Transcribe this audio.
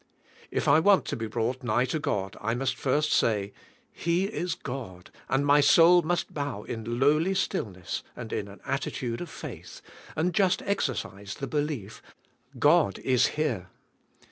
If I want to be brought nigh to God I must first say. "He is God, and my soul must bow in lowly stillness and in an attitude of faith, and just exercise the belief: God is here.